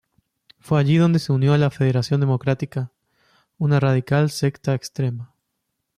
Fue allí donde se unió a la Federación Democrática, una radical secta extrema.